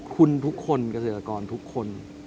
คุณทุกคนเกษตรกรทุกคน